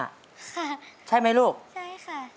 ค่ะใช่ไหมลูกใช่ค่ะ